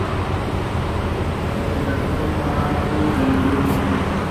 Se caso con Alfonso de Brienne.